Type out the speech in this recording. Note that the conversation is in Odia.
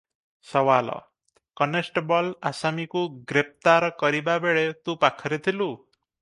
ସୱାଲ - କନେଷ୍ଟବଲ ଆସାମୀକୁ ଗ୍ରେପ୍ତାର କରିବା ବେଳେ ତୁ ପାଖରେ ଥିଲୁ?